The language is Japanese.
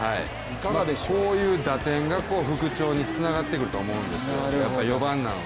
こういう打点が復調につながってくると思うんですよ。